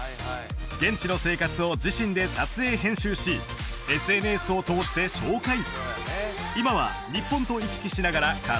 現地の生活を自身で撮影編集しＳＮＳを通して紹介